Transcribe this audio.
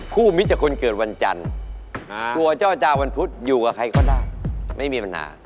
มิตรจากคนเกิดวันจันทร์กลัวเจ้าจาวันพุธอยู่กับใครก็ได้ไม่มีปัญหา